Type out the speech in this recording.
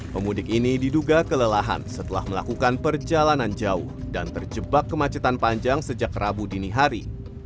pemudik ini diduga kelelahan setelah melakukan perjalanan jauh dan terjebak kemacetan panjang sejak rabu dini hari